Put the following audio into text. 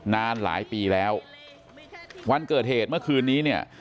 นานหลายปีแล้ววันเกิดเหตุเมื่อคืนนี้เนี่ย